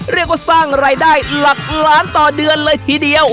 เรียกว่าสร้างรายได้หลักล้านต่อเดือนเลยทีเดียว